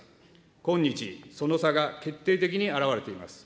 今日、その差が決定的に表れています。